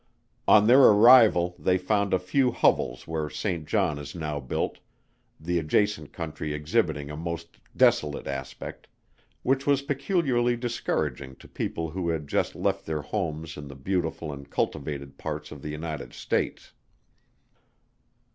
On their arrival they found a few hovels where Saint John is now built, the adjacent country exhibiting a most desolate aspect; which was peculiarly discouraging to people who had just left their homes in the beautiful and cultivated parts of the United States.